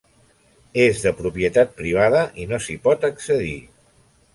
És de propietat privada i no s'hi pot accedir.